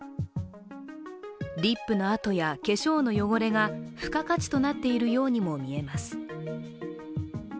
リップの跡や化粧の汚れが付加価値となっているようにもみえます。